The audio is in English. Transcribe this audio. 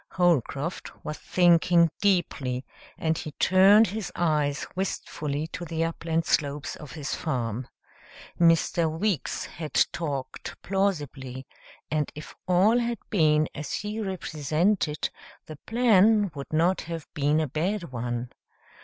Holcroft was thinking deeply, and he turned his eyes wistfully to the upland slopes of his farm. Mr. Weeks had talked plausibly, and if all had been as he represented, the plan would not have been a bad one.